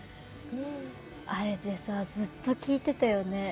あれでさずっと聴いてたよね。